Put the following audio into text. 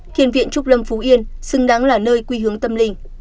thiền viện trúc lâm phú yên xứng đáng là nơi quy hướng tâm linh